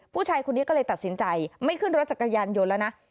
ผู้ชายคนนี้ก็เลยตัดสินใจไม่ขึ้นรถจักรยานยนต์แล้วนะ